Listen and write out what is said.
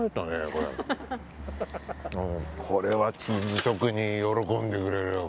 これはチーズ職人喜んでくれるよ。